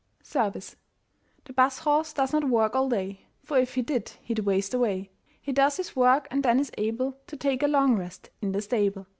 SERVICE. The Bus horse does not work all day, For if he did he'd waste away. He does his work and then is able To take a long rest in the stable.